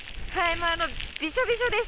もうびしょびしょです。